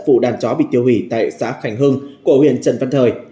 vụ đàn chó bị tiêu hủy tại xã cảnh hương của huyền trần văn thời